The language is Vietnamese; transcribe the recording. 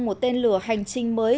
một tên lửa hành trình mới